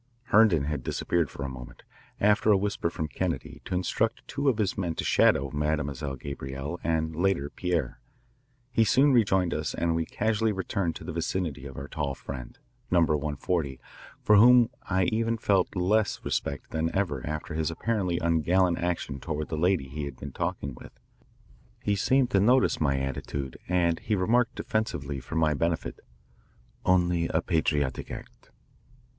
Herndon had disappeared for a moment, after a whisper from Kennedy, to instruct two of his men to shadow Mademoiselle Gabrielle and, later, Pierre. He soon rejoined us and we casually returned to the vicinity of our tall friend, Number 140, for whom I felt even less respect than ever after his apparently ungallant action toward the lady he had been talking with. He seemed to notice my attitude and he remarked defensively for my benefit, "Only a patriotic act."